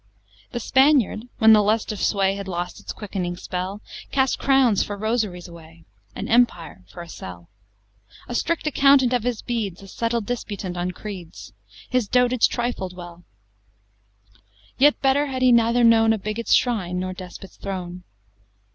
VIII The Spaniard, when the lust of sway Had lost its quickening spell, Cast crowns for rosaries away, An empire for a cell; A strict accountant of his beads, A subtle disputant on creeds, His dotage trifled well: Yet better had he neither known A bigot's shrine, nor despot's throne.